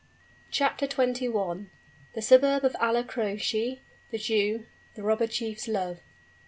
CHAPTER XXI. THE SUBURB OF ALLA CROCE THE JEW THE ROBBER CHIEF'S LOVE.